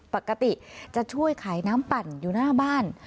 ปกติจะช่วยขายน้ำปั่นอยู่หน้าบ้าน